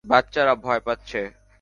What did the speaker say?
বাচ্চারা ভয় পাচ্ছে!